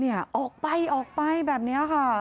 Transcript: เนี่ยออกไปแบบนี้อ่ะครับ